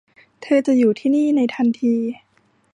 เธอจะอยู่ที่นี้ในทันที